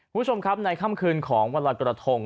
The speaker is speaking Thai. ผู้ชมครับในคำคืนของวันหลักกระทง